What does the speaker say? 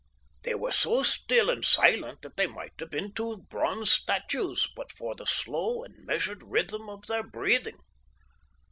They were so still and silent that they might have been two bronze statues but for the slow and measured rhythm of their breathing.